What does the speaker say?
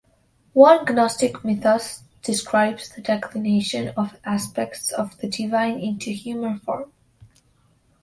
One Gnostic mythos describes the declination of aspects of the divine into human form.